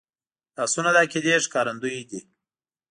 لاسونه د عقیدې ښکارندوی دي